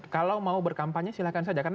kalau mau berkampanye silahkan saja